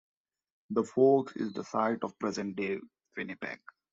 The Forks is the site of present-day Winnipeg.